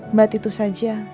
berarti itu saja